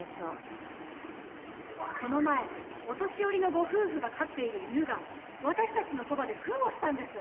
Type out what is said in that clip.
この前お年寄りのごふうふが飼っている犬がわたしたちのそばでふんをしたんです。